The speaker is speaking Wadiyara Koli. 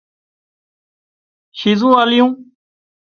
شيزُون آليون